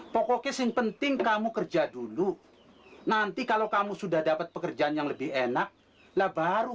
pokoknya sih yang penting kamu kerja dulu nanti kalau kamu sudah dapat pekerjaan yang lebih enak lah baru